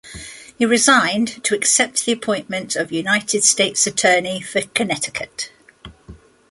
He resigned to accept the appointment of United States attorney for Connecticut.